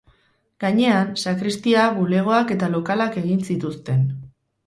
Gainean, sakristia, bulegoak eta lokalak egin zituzten.